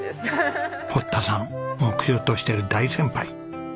堀田さん目標としている大先輩。